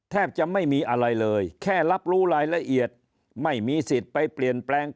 แทบจะไม่มีอะไรเลยแค่รับรู้รายละเอียดไม่มีสิทธิ์ไปเปลี่ยนแปลง